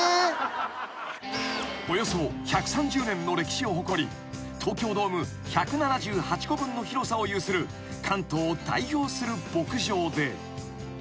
［およそ１３０年の歴史を誇り東京ドーム１７８個分の広さを有する関東を代表する牧場で］